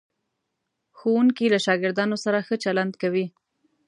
ښوونکی له شاګردانو سره ښه چلند کوي.